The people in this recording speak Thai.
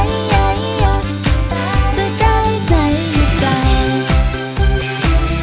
ย้ายยกไปใกล้ใจหรือใกล้